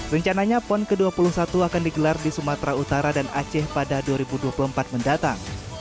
rencananya pon ke dua puluh satu akan digelar di sumatera utara dan aceh pada dua ribu dua puluh empat mendatang